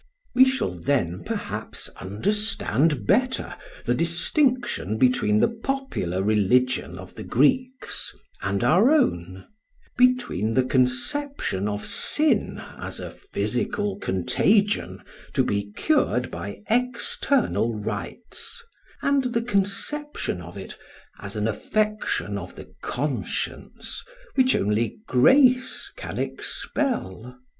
We shall then perhaps understand better the distinction between the popular religion of the Greeks and our own; between the conception of sin as a physical contagion to be cured by external rites, and the conception of it as an affection of the conscience which only "grace" can expel.